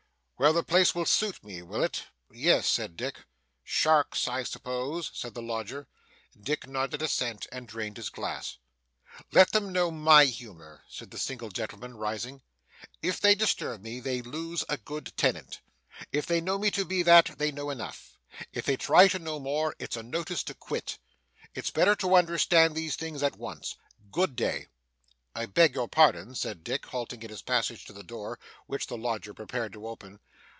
'Well, the place will suit me, will it?' 'Yes,' said Dick. 'Sharks, I suppose?' said the lodger. Dick nodded assent, and drained his glass. 'Let them know my humour,' said the single gentleman, rising. 'If they disturb me, they lose a good tenant. If they know me to be that, they know enough. If they try to know more, it's a notice to quit. It's better to understand these things at once. Good day.' 'I beg your pardon,' said Dick, halting in his passage to the door, which the lodger prepared to open.